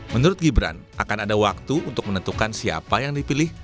menurut gibran akan ada waktu untuk menentukan siapa yang dipilih